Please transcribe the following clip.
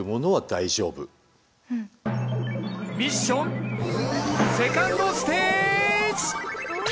ミッションセカンドステージ。